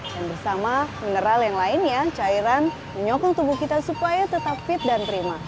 dan bersama mineral yang lainnya cairan menyokong tubuh kita supaya tetap fit dan prima